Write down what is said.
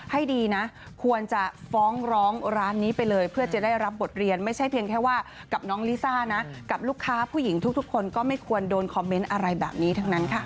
ให้ดีนะควรจะฟ้องร้องร้านนี้ไปเลยเพื่อจะได้รับบทเรียนไม่ใช่เพียงแค่ว่ากับน้องลิซ่านะกับลูกค้าผู้หญิงทุกคนก็ไม่ควรโดนคอมเมนต์อะไรแบบนี้ทั้งนั้นค่ะ